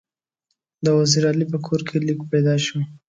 د وزیر علي په کور کې لیک پیدا شو.